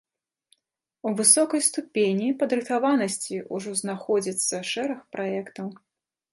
У высокай ступені падрыхтаванасці ўжо знаходзіцца шэраг праектаў.